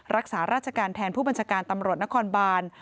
รักษาราชการแทนผู้บัญชาการตำรวจนครบาน